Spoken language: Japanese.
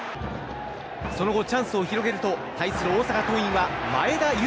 その後、チャンスを広げると対する大阪桐蔭は前田悠